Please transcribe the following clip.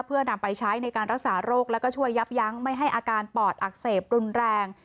เพื่อนำไปใช้ในการรักษาโรคแล้วก็ช่วยยับยั้งไม่ให้อาการปอดอักเสบรุนแรง